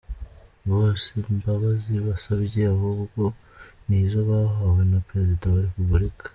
Bo si imbabazi basabye ahubwo ni izo bahawe na Perezida wa Repubulika.